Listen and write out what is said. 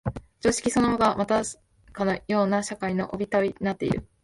常識そのものがまたかような社会の紐帯となっている。